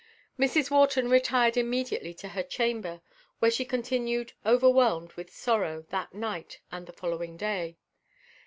Mrs. Wharton retired immediately to her chamber, where she continued overwhelmed with sorrow that night and the following day.